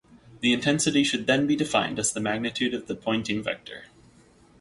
The intensity should then be defined as the magnitude of the Poynting vector.